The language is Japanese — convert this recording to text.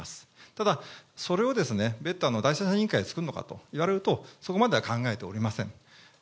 ただ、それを別途第三者委員会を作るのかといわれると、そこまでは考えておりません。